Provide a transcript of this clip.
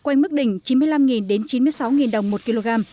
quanh mức đỉnh chín mươi năm đến chín mươi sáu đồng một kg